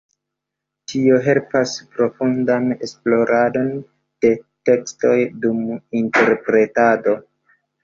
Tio helpas profundan esploradon de tekstoj dum interpretado.